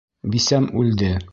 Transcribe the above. «Бисәм үлде!»